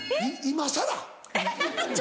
今さら？